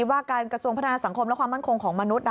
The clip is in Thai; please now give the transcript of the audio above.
ว่าการกระทรวงพัฒนาสังคมและความมั่นคงของมนุษย์